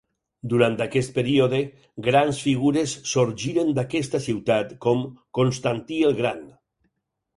Durant aquest període, grans figures sorgiren d'aquesta ciutat, com Constantí el Gran.